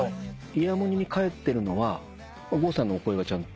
イヤモニに返ってるのは郷さんのお声はちゃんと？